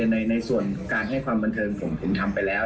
ในส่วนการให้ความบันเทิงผมถึงทำไปแล้ว